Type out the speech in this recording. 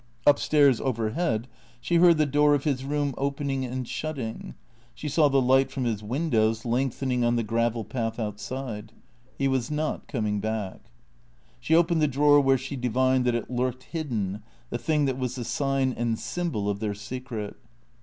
Up stairs overhead, she heard the door of his room opening and THECEEATORS 259 shutting. She saw the light from his windows lengthening on the gravel path outside. He was not coming back. She opened the drawer where she divined that it lurked hid den, the thing that was the sign and symbol of their secret.